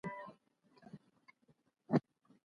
کروندګرو خپل غنم د کومو نورو توکو سره تبادله کول؟